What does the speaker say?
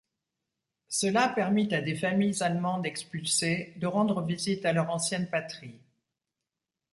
Cela permit à des familles allemandes expulsées de rendre visite à leur ancienne patrie.